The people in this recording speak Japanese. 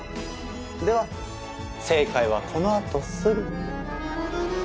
では正解はこのあとすぐ。